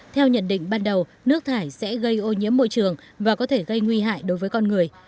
theo nhận định ban đầu nước thải sẽ gây ô nhiễm môi trường và có thể gây nguy hại đối với con người